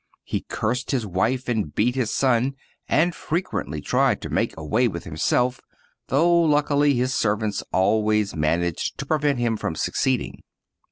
He cursed his wife and beat his son, and frequently tried to make away with himself, though luckily his servants always managed to prevent him from succeeding.